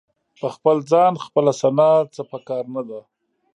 په خپل ځان خپله ثنا څه په کار نه ده.